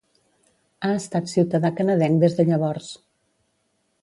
Ha estat ciutadà canadenc des de llavors.